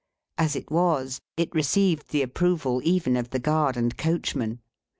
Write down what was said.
As it was, it received the approval even of the guard and coachman.